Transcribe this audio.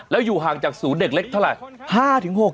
แล้วอยู่ห่างจากศูนย์เด็กเล็กเท่าไหร่